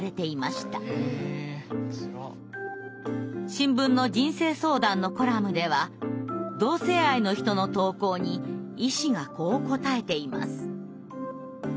新聞の人生相談のコラムでは同性愛の人の投稿に医師がこう答えています。